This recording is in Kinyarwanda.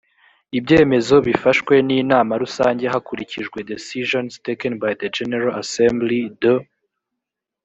ibyemezo bifashwe n inama rusange hakurikijwe decisions taken by the general assembly de